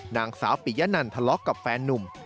นางสาวปิยะนันทะเลาะกับแฟนนุ่ม